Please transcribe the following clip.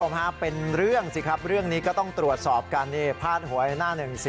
ประมาณเป็นเรื่องสิครับเรื่องนี้ก็ต้องตรวจสอบกัน